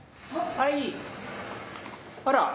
はい。